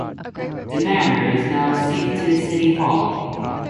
The Manor is now seat to the city hall.